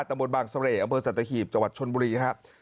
บ้านตำบลบางสะเลอำเบิดสัตว์ตะขีบจชนบุรีครับ